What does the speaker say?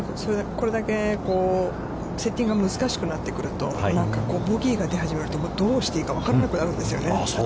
これだけセッティングが難しくなってくると、なんかボギーが出始めるとどうしていいか、分からなくなるんですよね。